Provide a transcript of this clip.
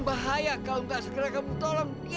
papa papa sekarang di mana li